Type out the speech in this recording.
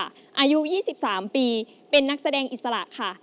อายุ๒๓ปีเป็นนักแสดงอิสระค่ะ